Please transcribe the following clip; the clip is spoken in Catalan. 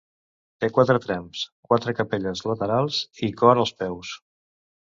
Té quatre trams, quatre capelles laterals i cor als peus.